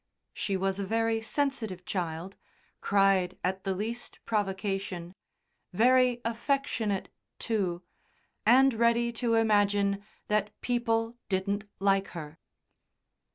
She was a very sensitive child, cried at the least provocation, very affectionate, too, and ready to imagine that people didn't like her.